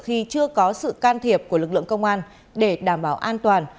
khi chưa có sự can thiệp của lực lượng công an để đảm bảo an toàn